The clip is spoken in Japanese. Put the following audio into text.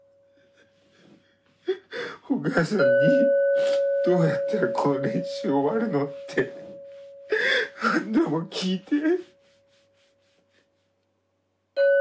お母さんにどうやったらこの練習終わるの？って何度も聞いて。